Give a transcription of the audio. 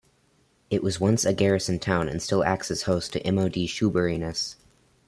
It was once a garrison town and still acts as host to MoD Shoeburyness.